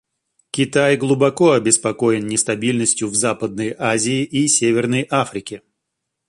Китай глубоко обеспокоен нестабильностью в Западной Азии и Северной Африке.